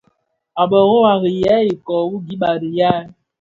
A bërô à rì yêê ikoɔ wu gib bi riyal.